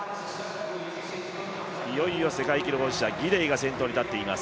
いよいよ世界記録保持者、ギデイが先頭に立っています。